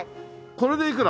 これでいくら？